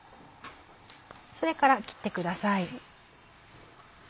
それから切ってください。